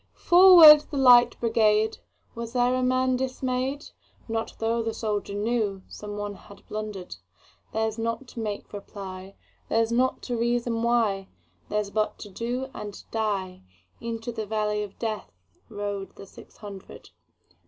"Forward, the Light Brigade!"Was there a man dismay'd? Not tho' the soldier knewSome one had blunder'd:Theirs not to make reply, Theirs not to reason why, Theirs but to do and die:Into the valley of DeathRode the six hundred.